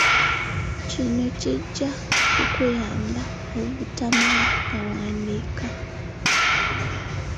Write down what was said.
Kino kijja kukuyamba obutamala gawandiika